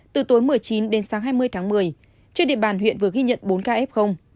từ tối một mươi chín đến sáng hai mươi tháng một mươi trên địa bàn huyện vừa ghi nhận bốn ca f